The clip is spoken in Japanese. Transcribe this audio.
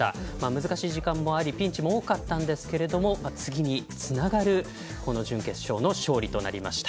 難しい時間もありピンチも多かったんですけれども次につながる準決勝の勝利となりました。